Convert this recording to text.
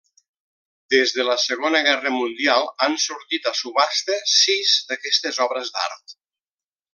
Des de la Segona Guerra Mundial han sortit a subhasta sis d'aquestes obres d'art.